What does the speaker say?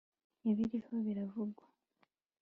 ibiriho biravugwa